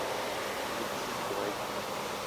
X 軸 Y 軸